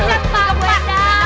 aduh gimana ini